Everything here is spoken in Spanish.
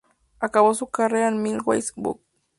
Acabó su carrera en Milwaukee Bucks.